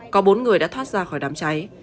có bốn người đã thoát ra khỏi đám cháy